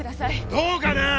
どうかな！